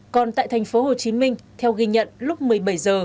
còn tại thành phố hồ chí minh theo ghi nhận lúc một mươi bảy h